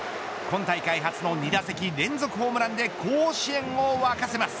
今大会初の２打席連続ホームランで甲子園をわかせます。